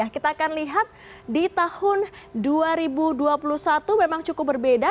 kita akan lihat di tahun dua ribu dua puluh satu memang cukup berbeda